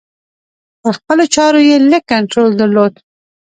پر خپلو چارو یې لږ کنترول درلود.